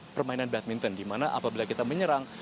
permainan badminton dimana apabila kita menyerang